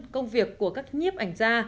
công việc của các nhiếp ảnh gia